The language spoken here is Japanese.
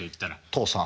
「父さん」。